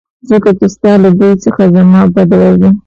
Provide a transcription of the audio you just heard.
ځکه چې ستا له بوی څخه زما بد راځي